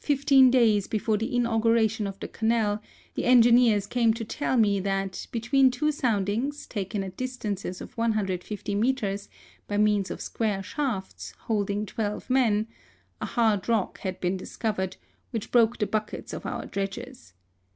Fifteen days before the inauguration of the Canal, the engineers came to tell me that, between two soundings, taken at dis tances of 150 metres, by means of square shafts, holding twelve men, a hard rock had been discovered, which broke the buckets of our dredgers.